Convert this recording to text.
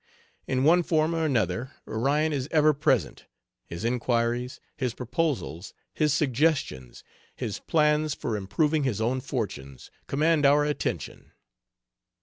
In one form or another Orion is ever present, his inquiries, his proposals, his suggestions, his plans for improving his own fortunes, command our attention.